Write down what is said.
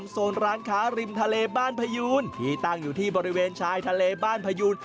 โซนร้านค้าริมทะเลบ้านพยูนที่ตั้งอยู่ที่บริเวณชายทะเลบ้านพยูน